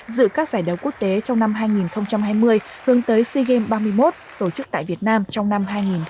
dự các giải đấu quốc tế trong năm hai nghìn hai mươi hướng tới sea games ba mươi một tổ chức tại việt nam trong năm hai nghìn hai mươi một